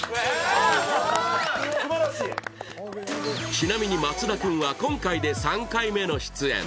ちなみに松田君は今回で３回目の出演。